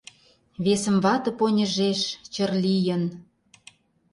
Весым вате поньыжеш, чыр лийын: